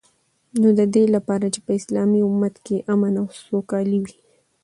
نو ددی لپاره چی په اسلامی امت کی امن او سوکالی وی